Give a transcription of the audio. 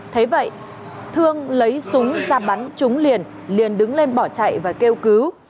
thế vậy thương lấy súng ra bắn chúng liền liền đứng lên bỏ chạy và kêu cứu